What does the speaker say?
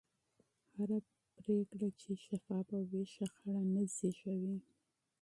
هره پرېکړه چې شفافه وي، شخړه نه زېږي.